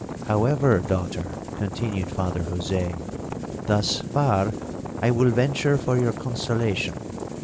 However, daughter,' continued Father Jose, 'thus far I will venture for your consolation.